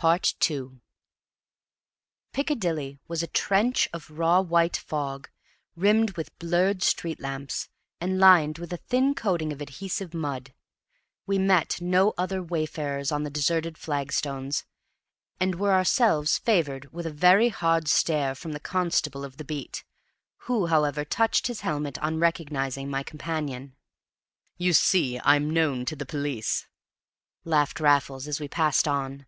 II Piccadilly was a trench of raw white fog, rimmed with blurred street lamps, and lined with a thin coating of adhesive mud. We met no other wayfarers on the deserted flagstones, and were ourselves favored with a very hard stare from the constable of the beat, who, however, touched his helmet on recognizing my companion. "You see, I'm known to the police," laughed Raffles as we passed on.